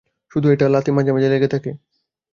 শুধু এটা লাথি মাঝে মাঝে লেগে থাকে।